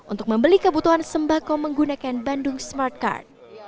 untuk membeli kebutuhan sembahkom menggunakan bandung smartcard